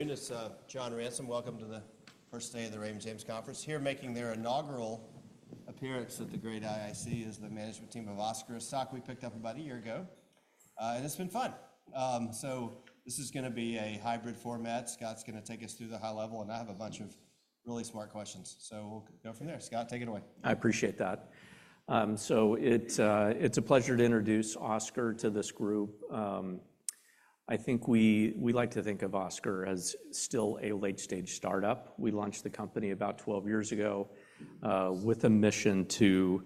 Good evening, this is John Ransom. Welcome to the first day of the Raymond James Conference. Here, making their inaugural appearance at the great IIC, is the management team of Oscar, a stock we picked up about a year ago, and it's been fun. So this is going to be a hybrid format. Scott's going to take us through the high level, and I have a bunch of really smart questions. So we'll go from there. Scott, take it away. I appreciate that. So it's a pleasure to introduce Oscar to this group. I think we like to think of Oscar as still a late-stage startup. We launched the company about 12 years ago with a mission to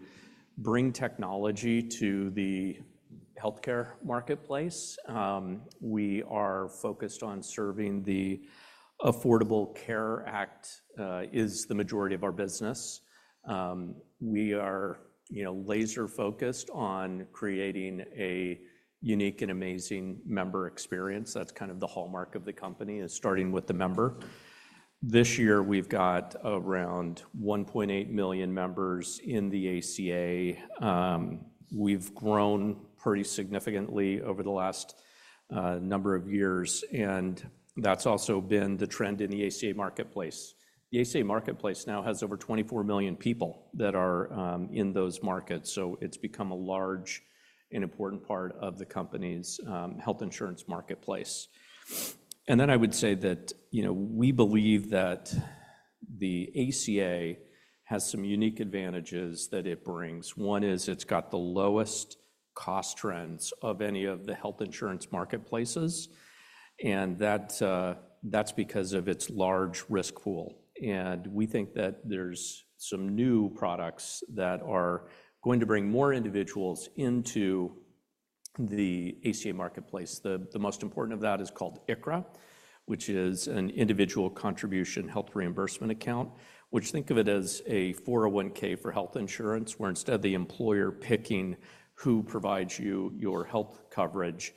bring technology to the healthcare marketplace. We are focused on serving the Affordable Care Act as the majority of our business. We are laser-focused on creating a unique and amazing member experience. That's kind of the hallmark of the company, is starting with the member. This year, we've got around 1.8 million members in the ACA. We've grown pretty significantly over the last number of years, and that's also been the trend in the ACA Marketplace. The ACA Marketplace now has over 24 million people that are in those markets. So it's become a large and important part of the country's health insurance marketplace. And then I would say that we believe that the ACA has some unique advantages that it brings. One is it's got the lowest cost trends of any of the health insurance marketplaces, and that's because of its large risk pool. And we think that there's some new products that are going to bring more individuals into the ACA Marketplace. The most important of that is called ICHRA, which is an Individual Contribution Health Reimbursement Account, which think of it as a 401(k) for health insurance, where instead of the employer picking who provides you your health coverage,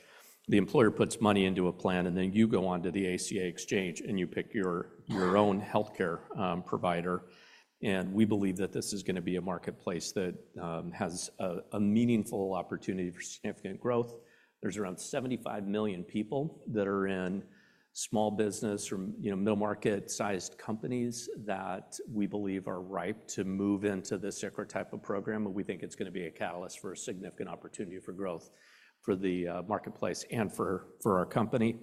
the employer puts money into a plan, and then you go on to the ACA exchange and you pick your own healthcare provider. And we believe that this is going to be a marketplace that has a meaningful opportunity for significant growth. There's around 75 million people that are in small business or middle-market-sized companies that we believe are ripe to move into this ICHRA type of program. We think it's going to be a catalyst for a significant opportunity for growth for the marketplace and for our company.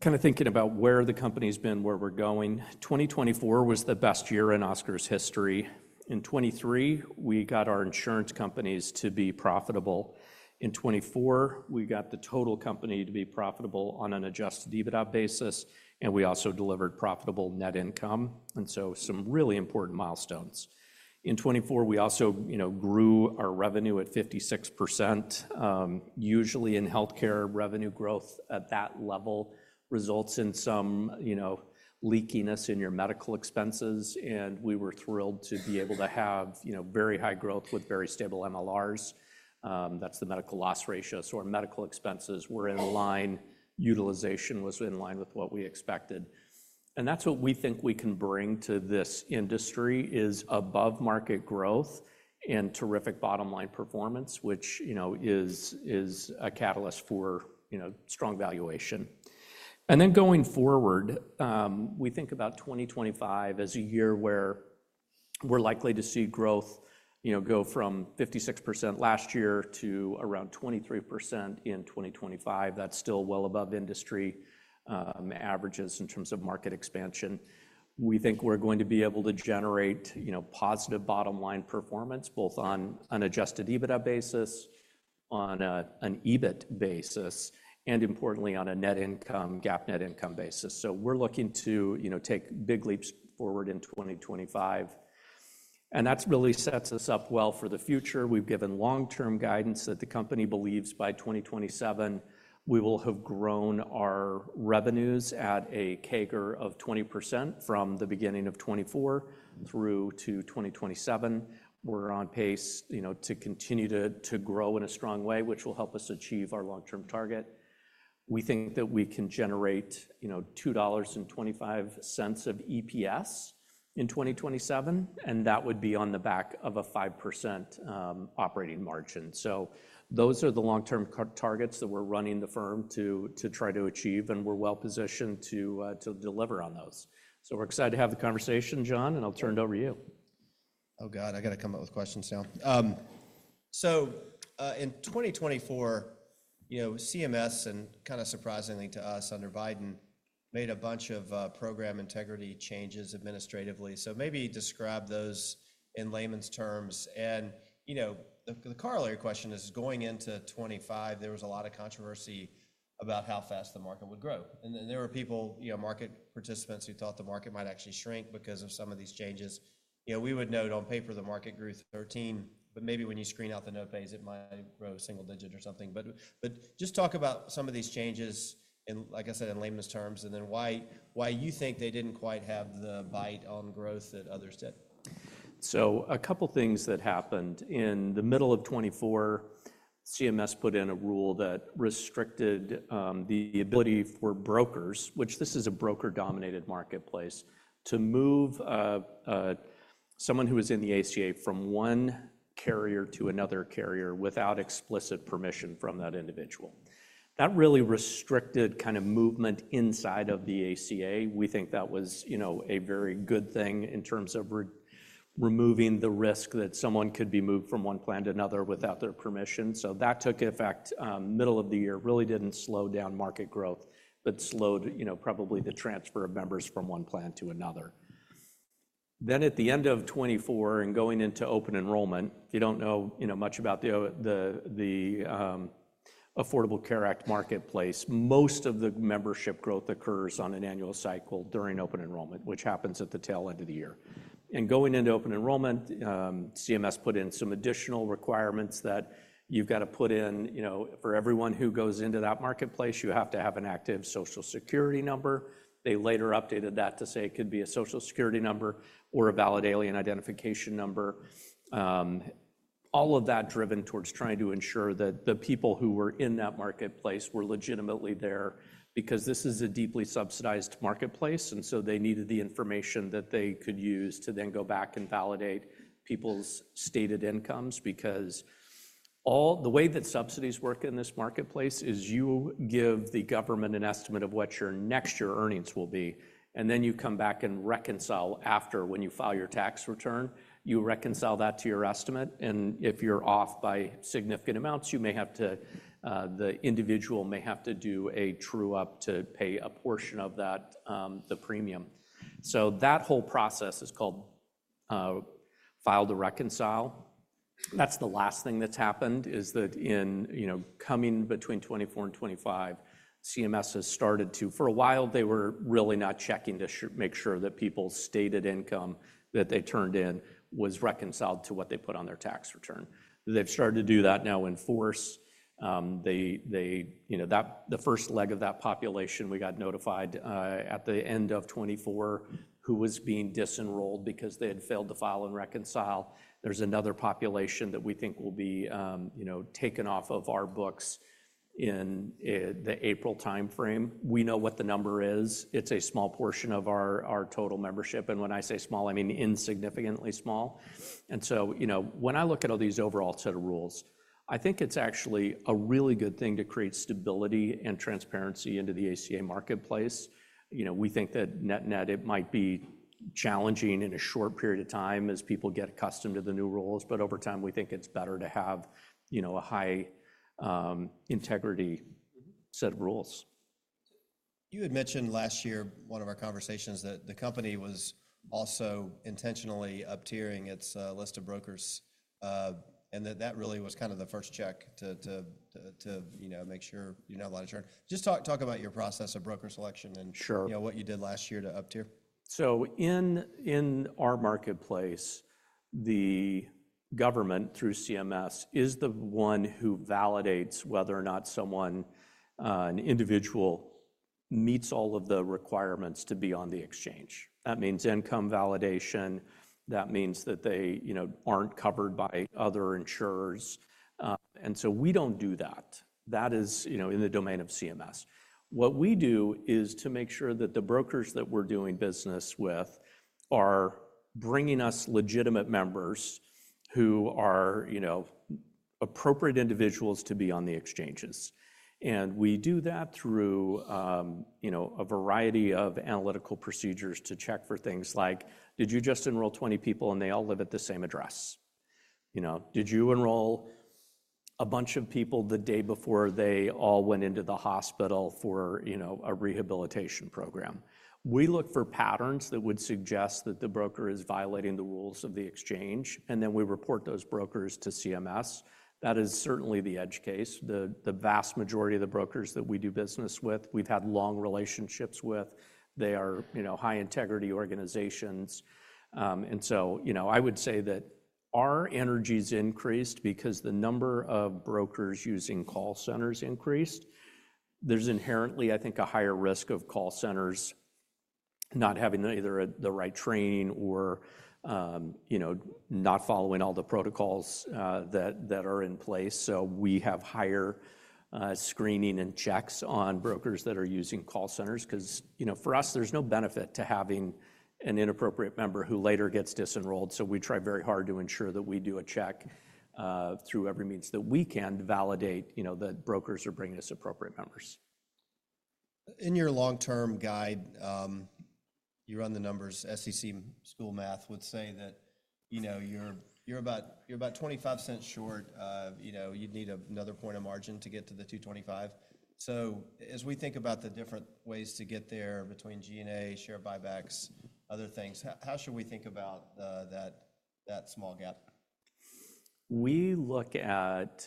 Kind of thinking about where the company's been, where we're going, 2024 was the best year in Oscar's history. In 2023, we got our insurance companies to be profitable. In 2024, we got the total company to be profitable on an adjusted EBITDA basis, and we also delivered profitable net income. So some really important milestones. In 2024, we also grew our revenue at 56%. Usually, in healthcare revenue growth at that level, results in some leakiness in your medical expenses, and we were thrilled to be able to have very high growth with very stable MLRs. That's the Medical Loss Ratio. Our medical expenses were in line, utilization was in line with what we expected. That's what we think we can bring to this industry is above-market growth and terrific bottom-line performance, which is a catalyst for strong valuation. Going forward, we think about 2025 as a year where we're likely to see growth go from 56% last year to around 23% in 2025. That's still well above industry averages in terms of market expansion. We think we're going to be able to generate positive bottom-line performance both on an adjusted EBITDA basis, on an EBIT basis, and importantly, on a net income, GAAP net income basis. We're looking to take big leaps forward in 2025. That really sets us up well for the future. We've given long-term guidance that the company believes by 2027, we will have grown our revenues at a CAGR of 20% from the beginning of 2024 through to 2027. We're on pace to continue to grow in a strong way, which will help us achieve our long-term target. We think that we can generate $2.25 of EPS in 2027, and that would be on the back of a 5% operating margin. So those are the long-term targets that we're running the firm to try to achieve, and we're well-positioned to deliver on those. So we're excited to have the conversation, John, and I'll turn it over to you. Oh, God, I got to come up with questions now. So in 2024, CMS, and kind of surprisingly to us, under Biden, made a bunch of program integrity changes administratively. So maybe describe those in layman's terms. And the corollary question is, going into 2025, there was a lot of controversy about how fast the market would grow. And there were people, market participants, who thought the market might actually shrink because of some of these changes. We would note on paper the market grew 13%, but maybe when you screen out the non-pays, it might grow a single-digit or something. But just talk about some of these changes, like I said, in layman's terms, and then why you think they didn't quite have the bite on growth that others did. A couple of things that happened. In the middle of 2024, CMS put in a rule that restricted the ability for brokers, which this is a broker-dominated marketplace, to move someone who was in the ACA from one carrier to another carrier without explicit permission from that individual. That really restricted kind of movement inside of the ACA. We think that was a very good thing in terms of removing the risk that someone could be moved from one plan to another without their permission. That took effect middle of the year, really didn't slow down market growth, but slowed probably the transfer of members from one plan to another. Then at the end of 2024 and going into Open Enrollment, if you don't know much about the Affordable Care Act marketplace, most of the membership growth occurs on an annual cycle during Open Enrollment, which happens at the tail end of the year. And going into Open Enrollment, CMS put in some additional requirements that you've got to put in for everyone who goes into that marketplace, you have to have an active Social Security number. They later updated that to say it could be a Social Security number or a valid Alien Identification Number. All of that driven towards trying to ensure that the people who were in that marketplace were legitimately there because this is a deeply subsidized marketplace. And so they needed the information that they could use to then go back and validate people's stated incomes because the way that subsidies work in this marketplace is you give the government an estimate of what your next year earnings will be, and then you come back and reconcile after when you file your tax return, you reconcile that to your estimate. And if you're off by significant amounts, you may have to, the individual may have to do a true-up to pay a portion of that, the premium. So that whole process is called File and Reconcile. That's the last thing that's happened is that in coming between 2024 and 2025, CMS has started to, for a while, they were really not checking to make sure that people's stated income that they turned in was reconciled to what they put on their tax return. They've started to do that now in force. The first leg of that population, we got notified at the end of 2024 who was being disenrolled because they had failed to File and Reconcile. There's another population that we think will be taken off of our books in the April timeframe. We know what the number is. It's a small portion of our total membership, and when I say small, I mean insignificantly small, and so when I look at all these overall set of rules, I think it's actually a really good thing to create stability and transparency into the ACA Marketplace. We think that net-net, it might be challenging in a short period of time as people get accustomed to the new rules, but over time, we think it's better to have a high integrity set of rules. You had mentioned last year, one of our conversations, that the company was also intentionally up-tiering its list of brokers and that that really was kind of the first check to make sure you're not allowed to churn. Just talk about your process of broker selection and what you did last year to up-tier. So in our marketplace, the government through CMS is the one who validates whether or not someone, an individual, meets all of the requirements to be on the exchange. That means income validation. That means that they aren't covered by other insurers. And so we don't do that. That is in the domain of CMS. What we do is to make sure that the brokers that we're doing business with are bringing us legitimate members who are appropriate individuals to be on the exchanges. And we do that through a variety of analytical procedures to check for things like, did you just enroll 20 people and they all live at the same address? Did you enroll a bunch of people the day before they all went into the hospital for a rehabilitation program? We look for patterns that would suggest that the broker is violating the rules of the exchange, and then we report those brokers to CMS. That is certainly the edge case. The vast majority of the brokers that we do business with, we've had long relationships with. They are high integrity organizations. And so I would say that our energy's increased because the number of brokers using call centers increased. There's inherently, I think, a higher risk of call centers not having either the right training or not following all the protocols that are in place. So we have higher screening and checks on brokers that are using call centers because for us, there's no benefit to having an inappropriate member who later gets disenrolled. We try very hard to ensure that we do a check through every means that we can to validate that brokers are bringing us appropriate members. In your long-term guide, you run the numbers. SEC school math would say that you're about $0.25 short. You'd need another point of margin to get to the $2.25. So as we think about the different ways to get there between G&A, share buybacks, other things, how should we think about that small gap? We look at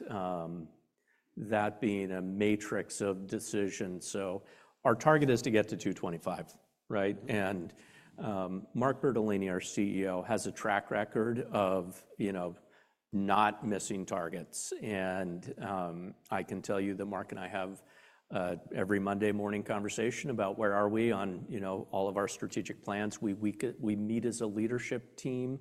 that being a matrix of decisions. So our target is to get to 225, right? And Mark Bertolini, our CEO, has a track record of not missing targets. And I can tell you that Mark and I have every Monday morning conversation about where are we on all of our strategic plans. We meet as a leadership team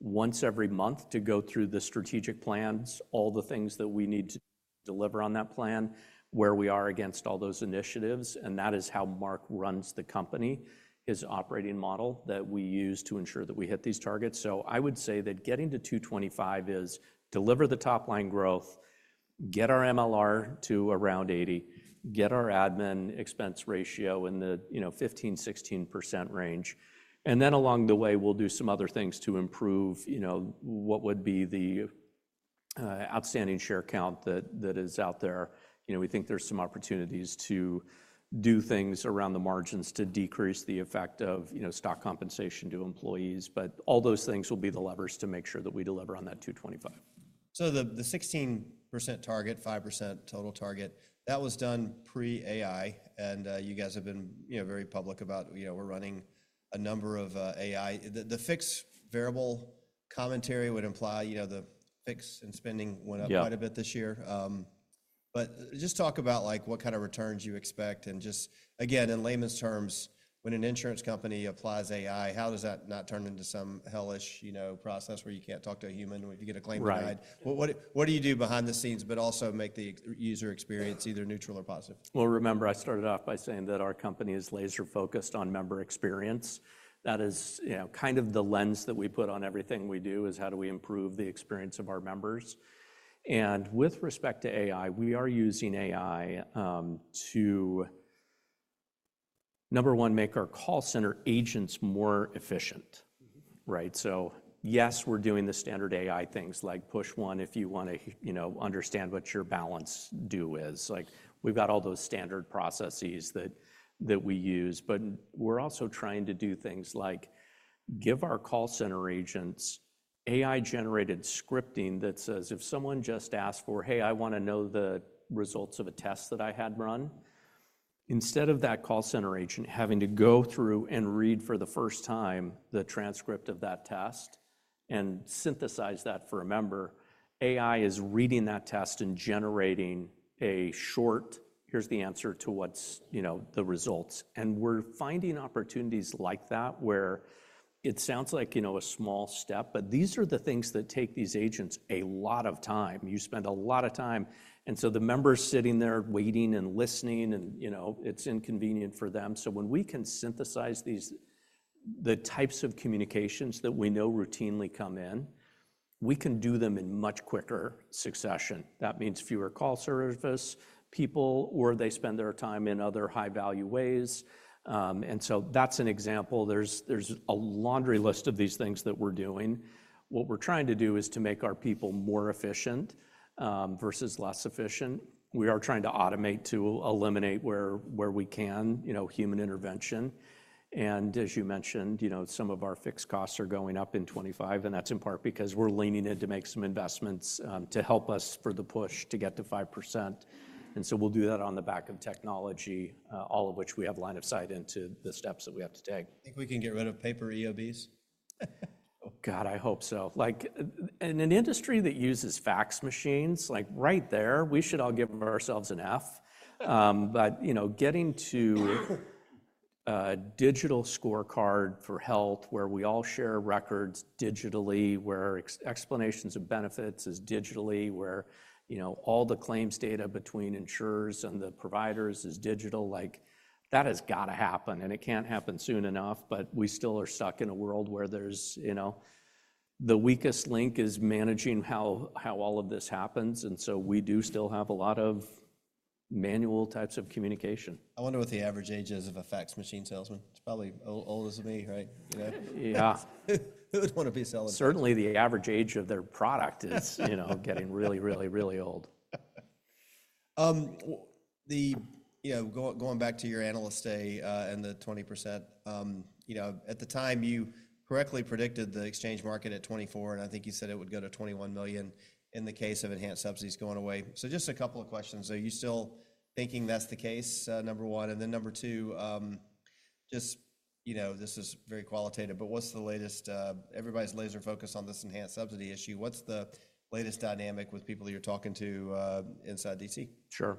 once every month to go through the strategic plans, all the things that we need to deliver on that plan, where we are against all those initiatives. And that is how Mark runs the company, his operating model that we use to ensure that we hit these targets. So I would say that getting to 225 is deliver the top-line growth, get our MLR to around 80, get our admin expense ratio in the 15%-16% range. And then along the way, we'll do some other things to improve what would be the outstanding share count that is out there. We think there's some opportunities to do things around the margins to decrease the effect of stock compensation to employees. But all those things will be the levers to make sure that we deliver on that 225. The 16% target, 5% total target, that was done pre-AI, and you guys have been very public about we're running a number of AI. The fixed variable commentary would imply the fix and spending went up quite a bit this year. But just talk about what kind of returns you expect. And just again, in layman's terms, when an insurance company applies AI, how does that not turn into some hellish process where you can't talk to a human when you get a claim denied? What do you do behind the scenes, but also make the user experience either neutral or positive? Remember, I started off by saying that our company is laser-focused on member experience. That is kind of the lens that we put on everything we do is how do we improve the experience of our members. And with respect to AI, we are using AI to, number one, make our call center agents more efficient, right? So yes, we're doing the standard AI things like push one if you want to understand what your balance due is. We've got all those standard processes that we use, but we're also trying to do things like give our call center agents AI-generated scripting that says if someone just asked for, "Hey, I want to know the results of a test that I had run," instead of that call center agent having to go through and read for the first time the transcript of that test and synthesize that for a member, AI is reading that test and generating a short, "Here's the answer to what's the results." And we're finding opportunities like that where it sounds like a small step, but these are the things that take these agents a lot of time. You spend a lot of time. And so the member's sitting there waiting and listening, and it's inconvenient for them. So when we can synthesize the types of communications that we know routinely come in, we can do them in much quicker succession. That means fewer call service people, or they spend their time in other high-value ways. And so that's an example. There's a laundry list of these things that we're doing. What we're trying to do is to make our people more efficient versus less efficient. We are trying to automate to eliminate where we can human intervention. And as you mentioned, some of our fixed costs are going up in 2025, and that's in part because we're leaning in to make some investments to help us for the push to get to 5%. And so we'll do that on the back of technology, all of which we have line of sight into the steps that we have to take. I think we can get rid of paper EOBs. Oh, God, I hope so. In an industry that uses fax machines, right there, we should all give ourselves an F. But getting to digital scorecard for health where we all share records digitally, where explanations of benefits is digitally, where all the claims data between insurers and the providers is digital, that has got to happen. And it can't happen soon enough, but we still are stuck in a world where the weakest link is managing how all of this happens. And so we do still have a lot of manual types of communication. I wonder what the average age is of a fax machine salesman. It's probably old as me, right? Yeah. Who would want to be a salesman? Certainly, the average age of their product is getting really, really, really old. Going back to your analyst day and the 20%, at the time, you correctly predicted the exchange market at 2024, and I think you said it would go to 21 million in the case of enhanced subsidies going away, so just a couple of questions. Are you still thinking that's the case, number one, and then number two, just this is very qualitative, but what's the latest? Everybody's laser-focused on this enhanced subsidy issue. What's the latest dynamic with people you're talking to inside D.C.? Sure.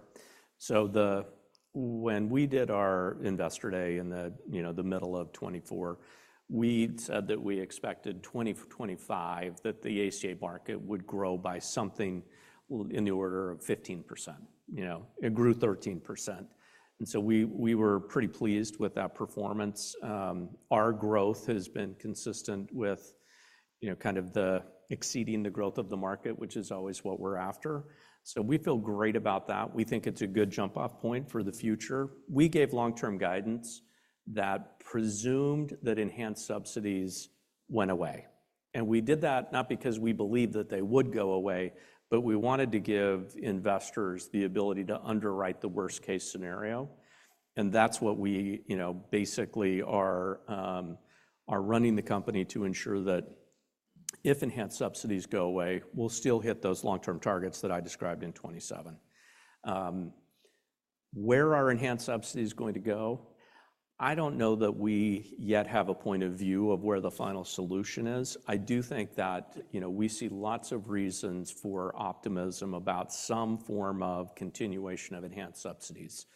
So when we did our investor day in the middle of 2024, we said that we expected 2025 that the ACA market would grow by something in the order of 15%. It grew 13%. And so we were pretty pleased with that performance. Our growth has been consistent with kind of exceeding the growth of the market, which is always what we're after. So we feel great about that. We think it's a good jump-off point for the future. We gave long-term guidance that presumed that enhanced subsidies went away. And we did that not because we believed that they would go away, but we wanted to give investors the ability to underwrite the worst-case scenario. And that's what we basically are running the company to ensure that if enhanced subsidies go away, we'll still hit those long-term targets that I described in 2027. Where are enhanced subsidies going to go? I don't know that we yet have a point of view of where the final solution is. I do think that we see lots of reasons for optimism about some form of continuation of enhanced subsidies.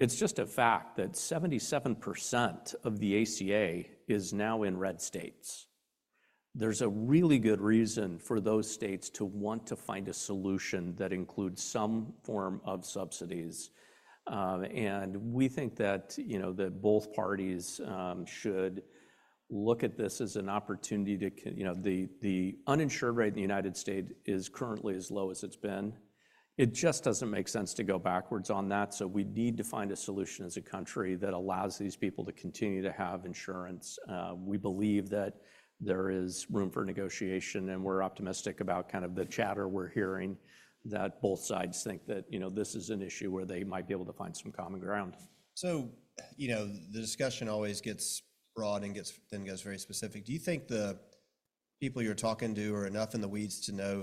It's just a fact that 77% of the ACA is now in red states. There's a really good reason for those states to want to find a solution that includes some form of subsidies. And we think that both parties should look at this as an opportunity. The uninsured rate in the United States is currently as low as it's been. It just doesn't make sense to go backwards on that. So we need to find a solution as a country that allows these people to continue to have insurance. We believe that there is room for negotiation, and we're optimistic about kind of the chatter we're hearing that both sides think that this is an issue where they might be able to find some common ground. So the discussion always gets broad and then goes very specific. Do you think the people you're talking to are enough in the weeds to know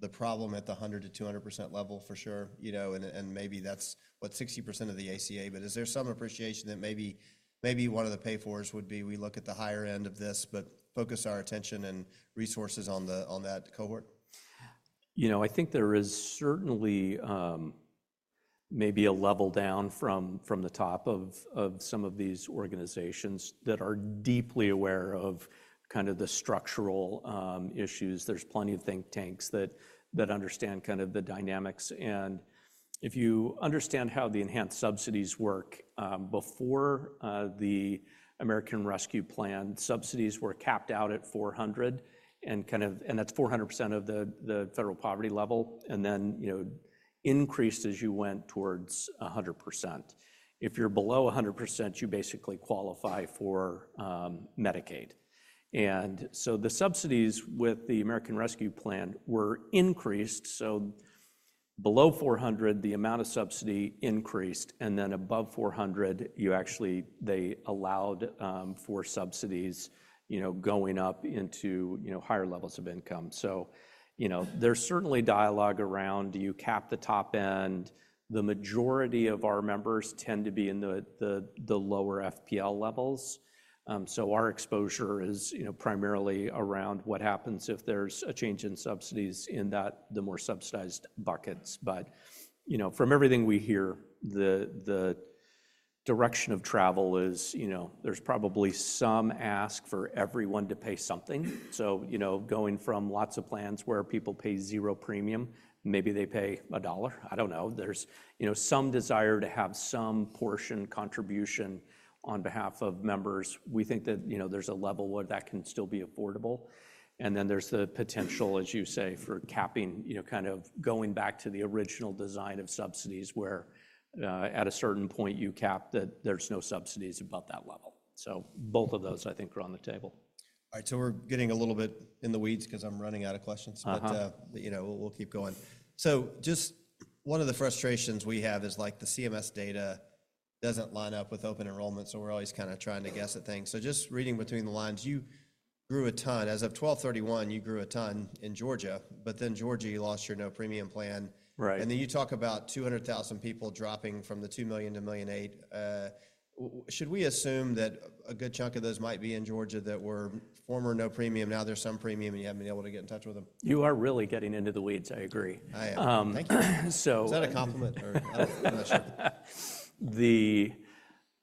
the problem at the 100%-200% level for sure? And maybe that's what 60% of the ACA, but is there some appreciation that maybe one of the pay-for would be, we look at the higher end of this, but focus our attention and resources on that cohort? I think there is certainly maybe a level down from the top of some of these organizations that are deeply aware of kind of the structural issues. There's plenty of think tanks that understand kind of the dynamics. And if you understand how the enhanced subsidies work, before the American Rescue Plan, subsidies were capped out at 400, and that's 400% of the Federal Poverty Level, and then increased as you went towards 100%. If you're below 100%, you basically qualify for Medicaid. And so the subsidies with the American Rescue Plan were increased. So below 400, the amount of subsidy increased. And then above 400, they allowed for subsidies going up into higher levels of income. So there's certainly dialogue around, do you cap the top end? The majority of our members tend to be in the lower FPL levels. So our exposure is primarily around what happens if there's a change in subsidies in the more subsidized buckets. But from everything we hear, the direction of travel is there's probably some ask for everyone to pay something. So going from lots of plans where people pay zero premium, maybe they pay a dollar. I don't know. There's some desire to have some personal contribution on behalf of members. We think that there's a level where that can still be affordable. And then there's the potential, as you say, for capping, kind of going back to the original design of subsidies where at a certain point you cap that there's no subsidies above that level. So both of those, I think, are on the table. All right. So we're getting a little bit in the weeds because I'm running out of questions, but we'll keep going. So just one of the frustrations we have is the CMS data doesn't line up with Open Enrollment, so we're always kind of trying to guess at things. So just reading between the lines, you grew a ton. As of 12/31, you grew a ton in Georgia, but then Georgia, you lost your no-premium plan. And then you talk about 200,000 people dropping from the 2 million to 1.8 million. Should we assume that a good chunk of those might be in Georgia that were former no-premium, now there's some premium, and you haven't been able to get in touch with them? You are really getting into the weeds. I agree. I am. Thank you. Is that a compliment?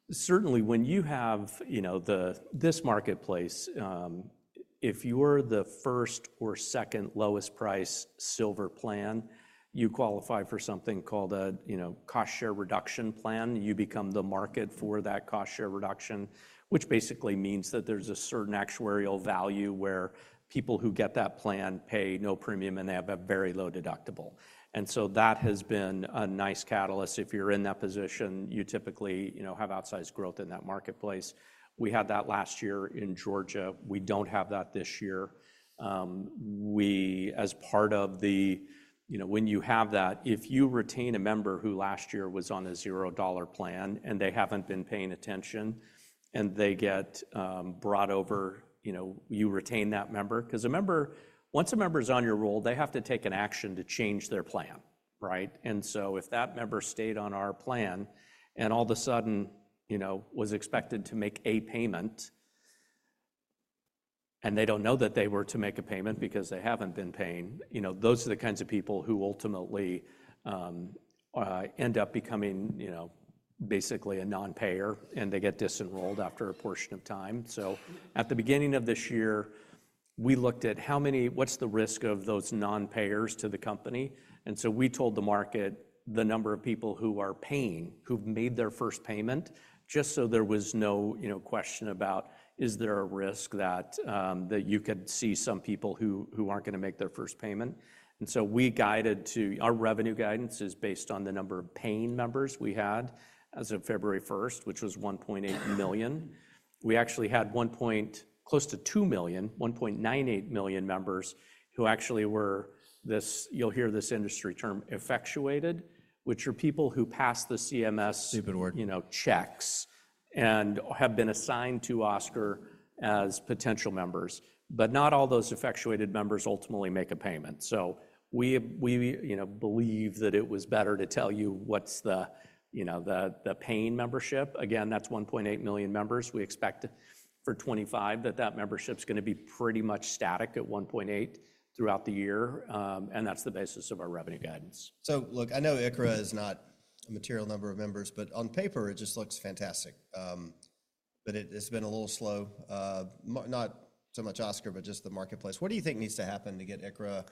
Certainly, when you have this marketplace, if you're the first or second lowest-priced Silver plan, you qualify for something called a cost-sharing reduction plan. You become the market for that cost-sharing reduction, which basically means that there's a certain actuarial value where people who get that plan pay no premium and they have a very low deductible. And so that has been a nice catalyst. If you're in that position, you typically have outsized growth in that marketplace. We had that last year in Georgia. We don't have that this year. As part of the when you have that, if you retain a member who last year was on a $0 plan and they haven't been paying attention and they get brought over, you retain that member. Because once a member's on your roll, they have to take an action to change their plan, right? And so if that member stayed on our plan and all of a sudden was expected to make a payment and they don't know that they were to make a payment because they haven't been paying, those are the kinds of people who ultimately end up becoming basically a non-payer, and they get disenrolled after a portion of time. So at the beginning of this year, we looked at what's the risk of those non-payers to the company. And so we told the market the number of people who are paying, who've made their first payment, just so there was no question about, is there a risk that you could see some people who aren't going to make their first payment? And so we guided to our revenue guidance is based on the number of paying members we had as of February 1st, which was 1.8 million. We actually had close to 2 million, 1.98 million members who actually were, you'll hear this industry term, effectuated, which are people who passed the CMS checks and have been assigned to Oscar as potential members. But not all those effectuated members ultimately make a payment. So we believe that it was better to tell you what's the paying membership. Again, that's 1.8 million members. We expect for 2025 that that membership's going to be pretty much static at 1.8 throughout the year. And that's the basis of our revenue guidance. So look, I know ICHRA is not a material number of members, but on paper, it just looks fantastic. But it's been a little slow, not so much Oscar, but just the marketplace. What do you think needs to happen to get ICHRA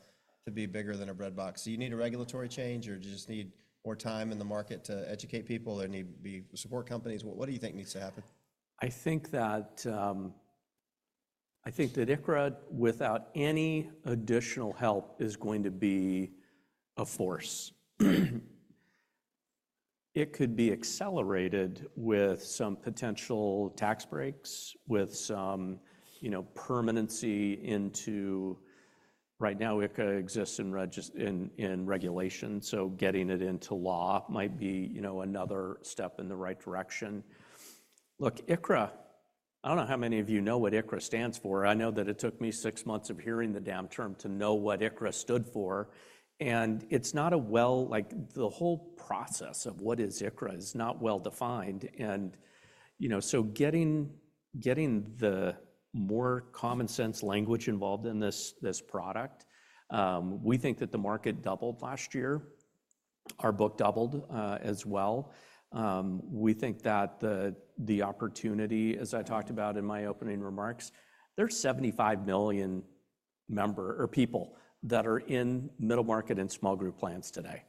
to be bigger than a breadbox? Do you need a regulatory change, or do you just need more time in the market to educate people? There need to be support companies. What do you think needs to happen? I think that ICHRA, without any additional help, is going to be a force. It could be accelerated with some potential tax breaks, with some permanency into right now. ICHRA exists in regulation, so getting it into law might be another step in the right direction. Look, ICHRA. I don't know how many of you know what ICHRA stands for. I know that it took me six months of hearing the damn term to know what ICHRA stood for, and it's not well. The whole process of what is ICHRA is not well defined, and so getting the more common sense language involved in this product. We think that the market doubled last year. Our book doubled as well. We think that the opportunity, as I talked about in my opening remarks, there's 75 million people that are in middle market and small group plans today.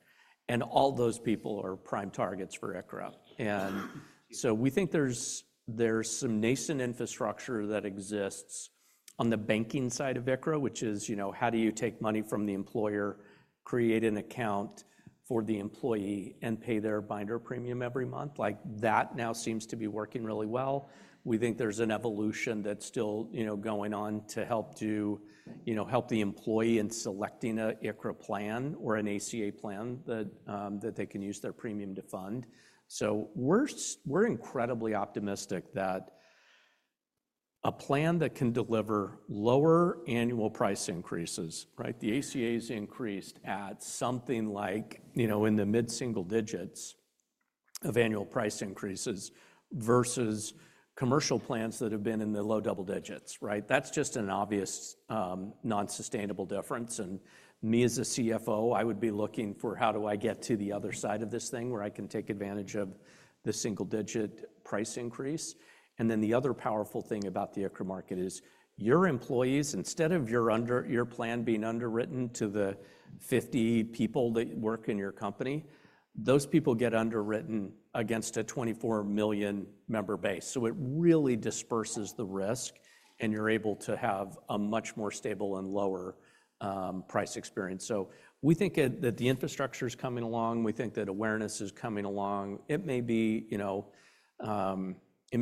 And all those people are prime targets for ICHRA. And so we think there's some nascent infrastructure that exists on the banking side of ICHRA, which is how do you take money from the employer, create an account for the employee, and pay their binder premium every month. That now seems to be working really well. We think there's an evolution that's still going on to help the employee in selecting an ICHRA plan or an ACA plan that they can use their premium to fund. So we're incredibly optimistic that a plan that can deliver lower annual price increases, right? The ACA's increased at something like in the mid-single digits of annual price increases versus commercial plans that have been in the low double digits, right? That's just an obvious non-sustainable difference. Me as a CFO, I would be looking for how do I get to the other side of this thing where I can take advantage of the single-digit price increase. Then the other powerful thing about the ICHRA market is your employees, instead of your plan being underwritten to the 50 people that work in your company, those people get underwritten against a 24 million member base. It really disperses the risk, and you're able to have a much more stable and lower price experience. We think that the infrastructure is coming along. We think that awareness is coming along. It may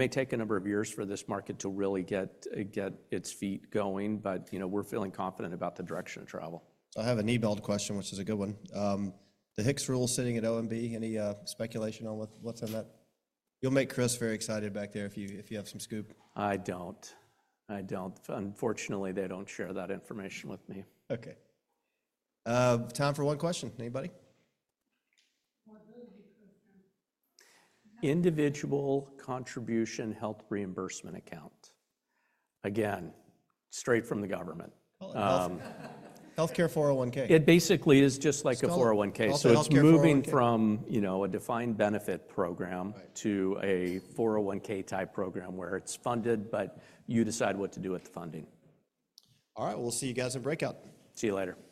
take a number of years for this market to really get its feet going, but we're feeling confident about the direction of travel. I have an EBIT question, which is a good one. The HIX rule sitting at OMB, any speculation on what's in that? You'll make Chris very excited back there if you have some scoop. I don't. I don't. Unfortunately, they don't share that information with me. Okay. Time for one question. Anybody? Individual Contribution Health Reimbursement Account. Again, straight from the government. Healthcare 401(k). It basically is just like a 401(k). So it's moving from a defined benefit program to a 401(k) type program where it's funded, but you decide what to do with the funding. All right. We'll see you guys in breakout. See you later.